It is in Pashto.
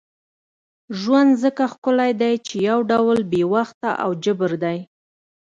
ژوند ځکه ښکلی دی چې یو ډول بې وخته او جبر دی.